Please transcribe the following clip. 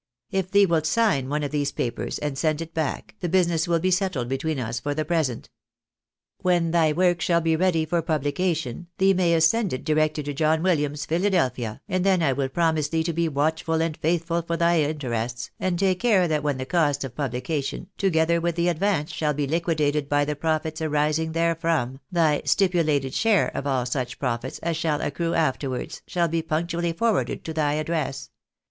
If thee wilt sign one of these papers and send it back, the business will be settled between us for the present. When thy work shall be ready for publication, thee mayest send it directed to John Williams, Philadelphia, and then I will promise thee to be watchful and faithful for thy interests, and take care that when the costs of publication, together with the advance, shall be liquidated by the profits arising therefrom, thy stipulated share of all such profits as shall accrue afterwards, shall be punctually forwarded to thy address.